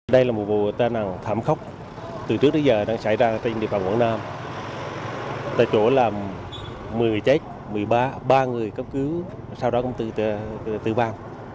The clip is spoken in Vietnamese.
đây là một vụ tai nạn thảm khốc từ trước đến giờ nó xảy ra trên địa phòng quảng nam tới chỗ là một mươi người chết một mươi ba người cấp cứu sau đó cũng tự vang